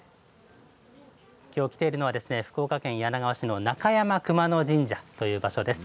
きょう来ているのは、福岡県柳川市の中山熊野神社という場所です。